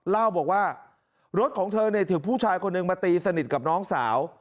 เล่าบอกว่ารถของเธอเนี่ยถือผู้ชายคนหนึ่งมาตีสนิทกับน้องสาว